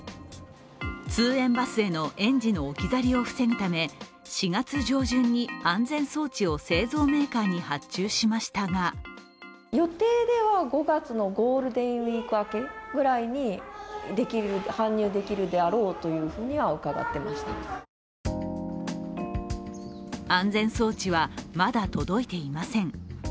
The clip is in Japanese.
通園バスへの園児の置き去りを防ぐため、４月上旬に安全装置を製造メーカーに発注しましたが安全装置はまだ届いていません。